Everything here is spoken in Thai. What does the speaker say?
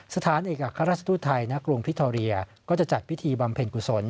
สถานกับข้าราชทู้ไทยณกรุงพิทโรเยอร์ก็จะจัดพิธีบำเพ็ญกุศล